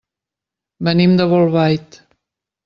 Venim de Bolbait.